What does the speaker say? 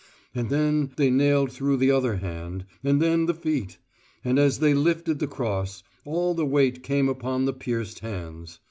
And then they nailed through the other hand: and then the feet. And as they lifted the Cross, all the weight came upon the pierced hands.